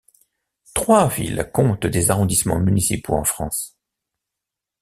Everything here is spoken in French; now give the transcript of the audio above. Trois villes comptent des arrondissements municipaux en France.